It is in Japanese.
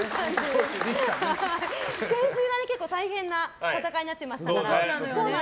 先週が結構大変な戦いになってましたから。